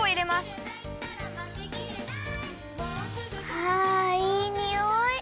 あいいにおい！